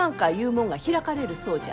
もんが開かれるそうじゃ。